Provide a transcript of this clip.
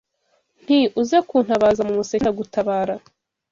Nti « Uze kuntabaza mu museke ndagutabara